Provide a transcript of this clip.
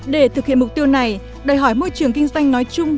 để thực hiện mục tiêu này đòi hỏi môi trường kinh doanh nói chung